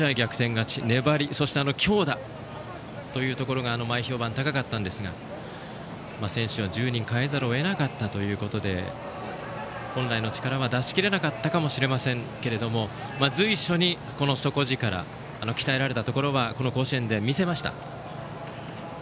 勝ち粘り、そして強打というところが前評判が高かったんですが選手を１０人、代えざるを得なかったということで本来の力は出し切れなかったかもしれませんけど随所に底力、鍛えられたところはこの甲子園で見せました。